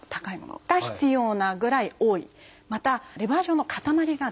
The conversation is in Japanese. またレバー状の塊が出る。